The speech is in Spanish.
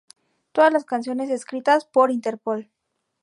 Todas las canciones escritas por Interpol.